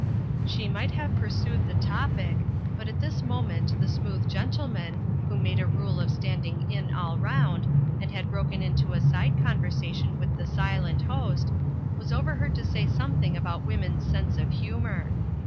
She might have pursued the topic, but at this moment the Smooth Gentleman, who made a rule of standing in all round, and had broken into a side conversation with the Silent Host, was overheard to say something about women's sense of humour.